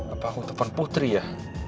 apa aku tepung putri ya